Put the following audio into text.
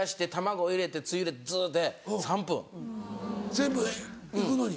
全部いくのに。